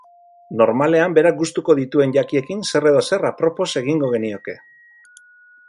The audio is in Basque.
Normalean berak gustuko dituen jakiekin zer edo zer apropos egingo genioke.